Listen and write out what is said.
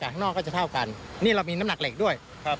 ข้างนอกก็จะเท่ากันนี่เรามีน้ำหนักเหล็กด้วยครับ